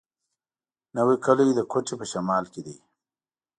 نوی کلی د کوټي په شمال کي دی.